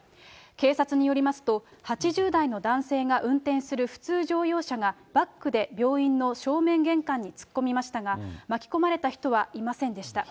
警察によりますと、８０代の男性が運転する普通乗用車がバックで病院の正面玄関に突っ込みましたが、巻き込まれた人はいませんでした。